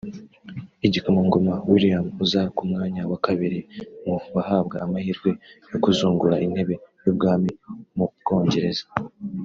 Igikomangoma William uza ku mwanya wa kabiri mu bahabwa amahirwe yo kuzungura intebe y’ubwami mu Bwongereza